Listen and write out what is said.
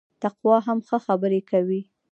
تقوا هم ښه خبري کوي